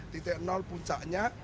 titik nol puncaknya